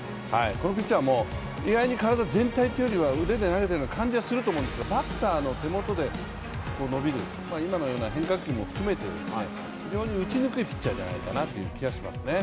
このピッチャーは体全体というよりは腕で投げているような感じがすると思うんですが、バッターの手元で伸びる、今の変化球も含めて、打ちにくいピッチャーじゃないかなと思いますね。